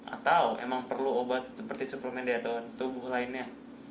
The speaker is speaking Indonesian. atau memang perlu obat seperti suplemen diet tahan tubuh lainnya